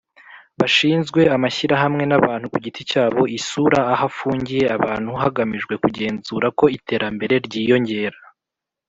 Bashinzwe amashyirahamwe n abantu ku giti cyabo isura ahafungiye abantu hagamijwe kugenzura ko iterambere ryiyongera